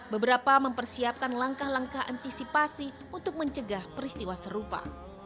beberapa mempersiapkan langkah langkah antisipasi untuk mencegah peristiwa serupa